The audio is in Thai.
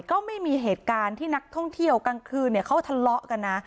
ก็ไม่มีเหตุการณ์ที่นักท่องเที่ยวกลางคืนเขาทะเลาะกันนะ